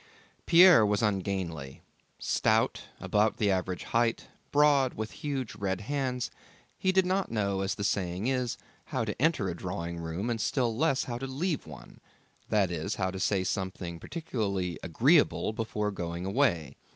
Pierre was ungainly. Stout, about the average height, broad, with huge red hands; he did not know, as the saying is, how to enter a drawing room and still less how to leave one; that is, how to say something particularly agreeable before going away.